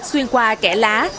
xuyên qua kẻ lá